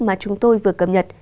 mà chúng tôi vừa cập nhật